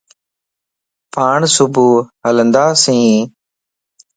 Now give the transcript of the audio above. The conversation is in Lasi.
پاڻ صبح ھلنداسين